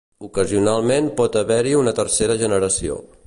Ocasionalment, pot haver-hi una tercera generació.